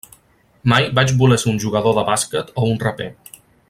Mai vaig voler ser un jugador de bàsquet o un raper.